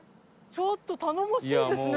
ちょっと頼もしいですね。